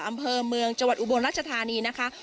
อำเภอเมืองจังหวัดอุบลรัชธานีนะคะ